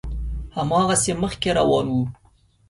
هماغسې مخکې روان و.